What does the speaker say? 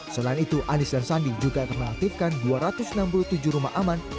selain itu anies dan sandi juga akan mengaktifkan dua ratus enam puluh tujuh rumah aman